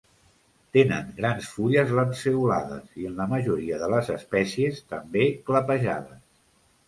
Tenen grans fulles lanceolades, i en la majoria de les espècies, també clapejades.